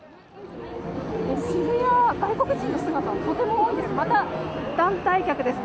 渋谷、外国人の姿とても多いです。